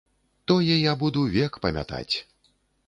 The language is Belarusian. Тое я буду век памятаць.